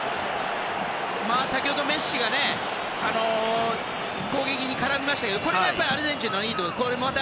先ほどメッシが攻撃に絡みましたけどアルゼンチンのいいところで。